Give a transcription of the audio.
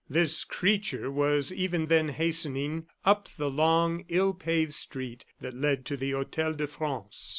"This creature" was even then hastening up the long, ill paved street that led to the Hotel de France.